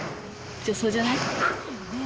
女装じゃない？